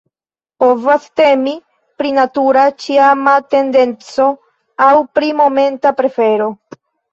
Povas temi pri natura, ĉiama tendenco aŭ pri momenta prefero.